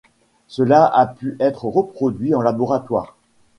Cela a pu être reproduit en laboratoire.